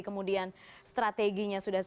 kemudian strateginya sudah